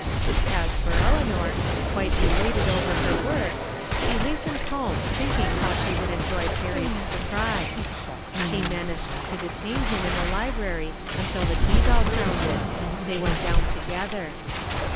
As for Eleanor, quite elated over her work, she hastened home, thinking how she would en^ joy Perry's surprise. She managed to detain him in the library until the tea bell sounded. They went down together.